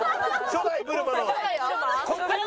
初代ブルマ。